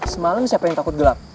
semalam siapa yang takut gelap